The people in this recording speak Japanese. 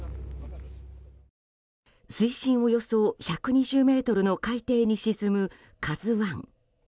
水深およそ１２０ｍの海底に沈む「ＫＡＺＵ１」。